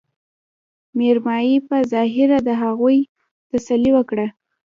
مېرمايي په ظاهره د هغوي تسلې وکړه